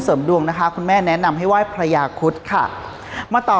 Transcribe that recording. ดวงนะคะคุณแม่แนะนำให้ไหว้พระยาคุดค่ะมาต่อ